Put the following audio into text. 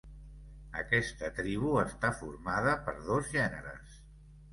Aquesta tribu està formada per dos gèneres.